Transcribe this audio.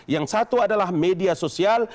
yang satu adalah media sosial